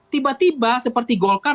tiba tiba seperti golkar